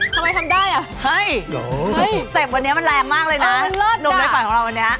ทำไมทำได้อะเห้ยอันสเต็ปวันนี้มันแรงมากเลยนะนมในฝ่ายของเรามันนี้